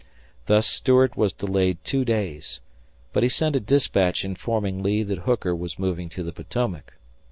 Thus Stuart was delayed two days, but he sent a dispatch informing Lee that Hooker was moving to the Potomac.